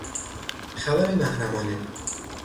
خبر محرمانه